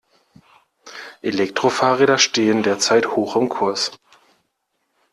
Elektrofahrräder stehen derzeit hoch im Kurs.